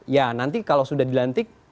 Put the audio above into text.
ya nanti kalau sudah dilantik